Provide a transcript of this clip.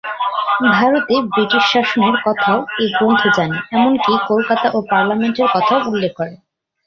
ভারতে ব্রিটিশ শাসনের কথাও এ গ্রন্থ জানে, এমনকি কলকাতা ও পার্লামেন্টের কথাও উল্লেখ করে।